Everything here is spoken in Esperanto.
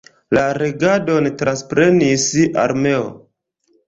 La regadon transprenis armeo.